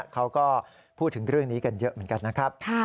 เขาก็พูดถึงเรื่องนี้กันเยอะเหมือนกันนะครับ